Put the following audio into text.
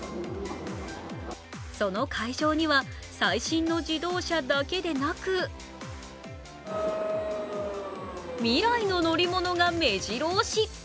その会場には最新の自動車だけでなく未来の乗り物がめじろ押し。